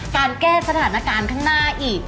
การแก้สถานการณ์ข้างหน้าอีก